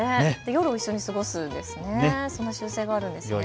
夜も一緒に過ごすんですね。